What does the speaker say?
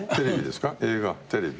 映画？テレビ？